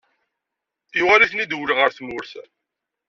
Yuɣal-iten-id wul ɣer tmurt.